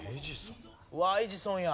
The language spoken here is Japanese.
うわエジソンや。